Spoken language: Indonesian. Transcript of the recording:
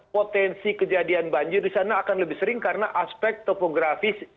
potensi kejadian banjir di sana akan lebih sering karena aspek topografis